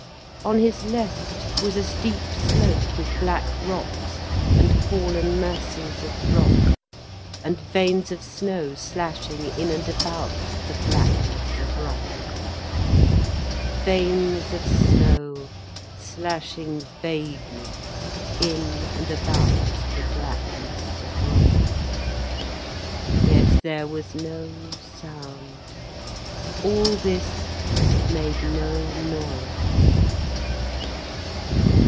On his left was a steep slope with black rocks and fallen masses of rock and veins of snow slashing in and about the blackness of rock, veins of snow slashing vaguely in and about the blackness of rock. Yet there was no sound, all this made no noise.